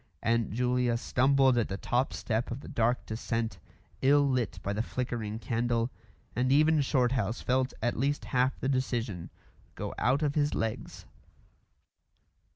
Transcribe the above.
Aunt Julia stumbled at the top step of the dark descent, ill lit by the flickering candle, and even Shorthouse felt at least half the decision go out of his legs.